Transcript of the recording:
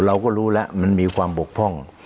เราก็รู้แล้วมันมีความบกพร่อง